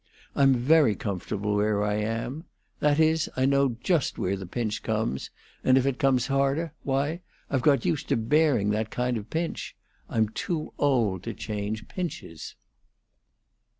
I'm very comfortable where I am; that is, I know just where the pinch comes, and if it comes harder, why, I've got used to bearing that kind of pinch. I'm too old to change pinches."